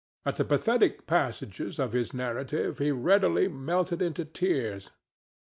At the pathetic passages of his narrative he readily melted into tears.